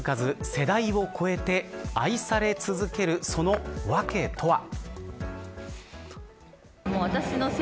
世代を超えて愛され続けるそのわけとは。